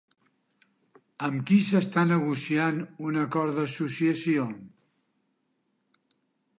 Amb qui s'està negociant un acord d'associació?